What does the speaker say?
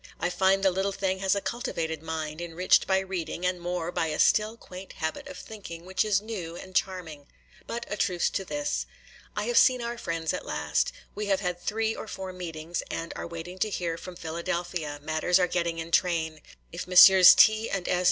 I find the little thing has a cultivated mind, enriched by reading, and more by a still, quaint habit of thinking, which is new and charming. But a truce to this. 'I have seen our friends at last. We have had three or four meetings, and are waiting to hear from Philadelphia,—matters are getting in train. If Messrs. T. and S.